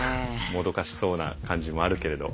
もどかしそうな感じもあるけれど。